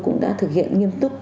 cũng đã thực hiện nghiêm túc